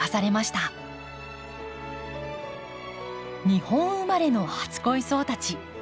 日本生まれの初恋草たち。